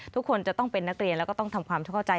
ทุกคนจะต้องเป็นนักเรียนแล้วก็ต้องทำความเข้าใจ